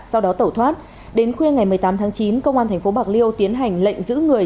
sau đó tẩu thoát đến khuya ngày một mươi tám tháng chín công an tp bạc liêu tiến hành lệnh giữ người